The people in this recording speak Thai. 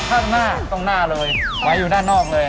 ข้างหน้าตรงหน้าเลยไว้อยู่ด้านนอกเลย